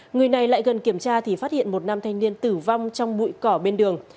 người này lại gần kiểm tra thì phát hiện một nam thanh niên tử vong trong bụi cỏ bên đường